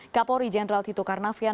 kapolri jenderal tito karnavian